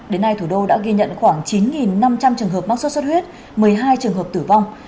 đến nay thủ đô đã ghi nhận khoảng chín năm trăm linh trường hợp mắc sốt xuất huyết một mươi hai trường hợp tử vong